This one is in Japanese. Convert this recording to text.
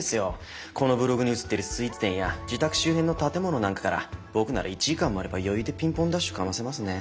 このブログに写ってるスイーツ店や自宅周辺の建物なんかから僕なら１時間もあれば余裕でピンポンダッシュかませますね。